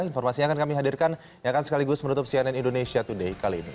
informasinya akan kami hadirkan yang akan sekaligus menutup cnn indonesia today kali ini